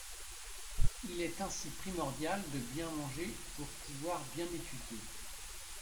Il est ainsi primordial de bien manger pour pouvoir bien étudier.